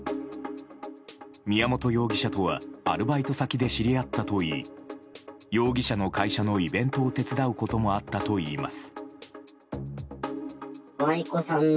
宮本容疑者とはアルバイト先で知り合ったといい容疑者の会社のイベントを手伝うこともあったといいます。